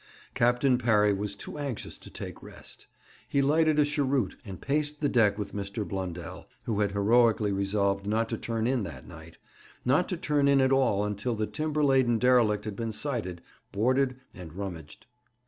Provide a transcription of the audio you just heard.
Captain Parry was too anxious to take rest. He lighted a cheroot, and paced the deck with Mr. Blundell, who had heroically resolved not to turn in that night not to turn in at all until the timber laden derelict had been sighted, boarded and rummaged.